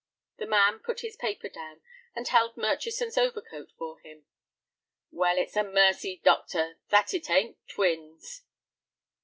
The man put his paper down and held Murchison's overcoat for him. "Well, it's a mercy, doctor, that it ain't twins."